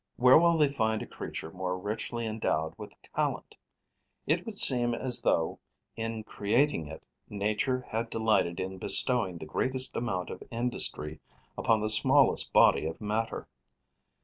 Where will they find a creature more richly endowed with talent? It would seem as though, in creating it, nature had delighted in bestowing the greatest amount of industry upon the smallest body of matter.